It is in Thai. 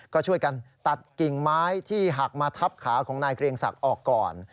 ก็ช่วยกันตัดกิ่งไม้ที่หักมาทับขาของนายเกรียงศักดิ์ออกก่อน